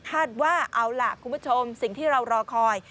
ว่าเอาล่ะคุณผู้ชมสิ่งที่เรารอคอย